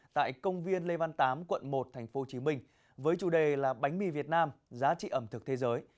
tại công viên lê văn tám quận một tp hcm với chủ đề là bánh mì việt nam giá trị ẩm thực thế giới